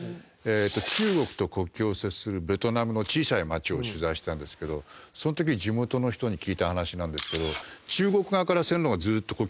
中国と国境を接するベトナムの小さい街を取材したんですけどその時地元の人に聞いた話なんですけど中国側から線路がずーっと国境まで来てるんです。